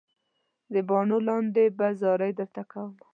د باڼو لاندې به زارۍ درته کوم.